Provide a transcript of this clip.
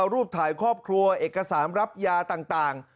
รูปถ่ายครอบครัวเอกสารรับยาต่าง